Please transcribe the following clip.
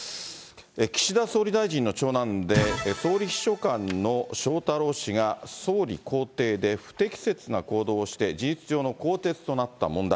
岸田総理大臣の長男で、総理秘書官の翔太郎氏が、総理公邸で不適切な行動をして、事実上の更迭となった問題。